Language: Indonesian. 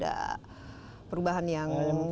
yang mana hal hal yang mudah di atas semuanya